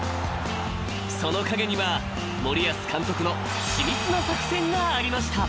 ［その陰には森保監督の緻密な作戦がありました］